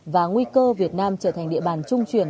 và nguy cơ việt nam trở thành địa bàn trung truyền